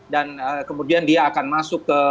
dan kemudian dia akan masuk ke level partai